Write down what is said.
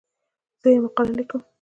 زه یوه مقاله لیکم.